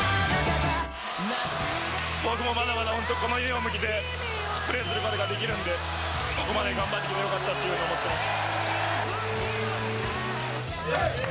僕もまだまだこのユニホーム着てプレーすることができるんで、ここまで頑張ってきてよかったというふうに思ってます。